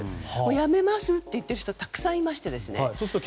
やめますって言ってる人はたくさんいまして。